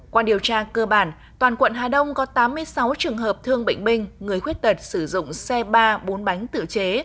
qua điều tra cơ bản toàn quận hà đông có tám mươi sáu trường hợp thương bệnh binh người khuyết tật sử dụng xe ba bốn bánh tự chế